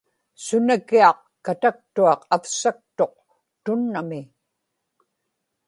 sunakiaq kataktuaq avsaktuq tunnami